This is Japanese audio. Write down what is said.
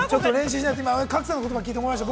賀来さんの言葉聞いて思いました。